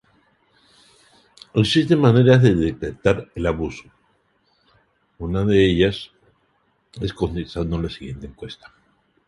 Existen maneras de detectar el abuso, una de ellas es contestando la siguiente encuesta...